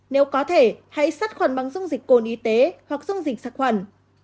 nếu có thể hãy sắt khuẩn bằng dung dịch cồn y tế hoặc dung dịch sắt khuẩn